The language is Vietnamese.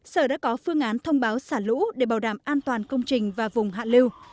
sở đã có phương án thông báo xả lũ để bảo đảm an toàn công trình và vùng hạ lưu